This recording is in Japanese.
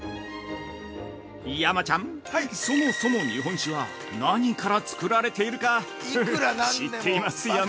山ちゃん、そもそも日本酒は何から造られているか知っていますよね。